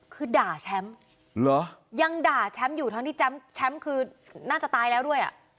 คือด่าแชมป์ยังด่าแชมป์อยู่ทั้งที่แชมป์คือน่าจะตายแล้วด้วยอ่ะ